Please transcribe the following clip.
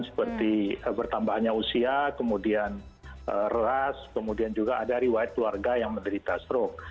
seperti bertambahnya usia kemudian ras kemudian juga ada riwayat keluarga yang menderita stroke